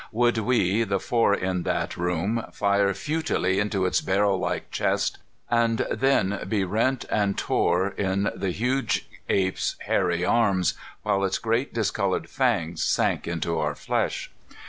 Would we, the four in that one room, fire futilely into its barrellike chest, and then be rent and tore in the huge ape's hairy arms, while its great discolored fangs sank into our flesh?